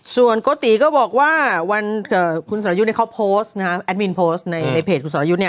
ส่วนโกติก็บอกว่าวันคุณสนายุทธเขาโพสต์ในเพจคุณสนายุทธเนี่ย